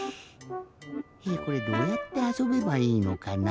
これどうやってあそべばいいのかな？